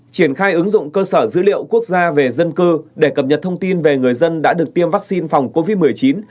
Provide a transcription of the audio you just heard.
triển khai ứng dụng cơ sở dữ liệu quốc gia về dân cư để cập nhật thông tin về người dân đã được tiêm vaccine phòng covid một mươi chín